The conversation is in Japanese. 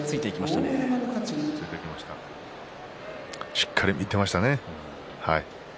しっかりと見ていましたね。